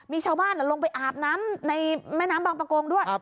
มีชาวบ้านลงไปอาบน้ำในแม่น้ำบางประกงด้วย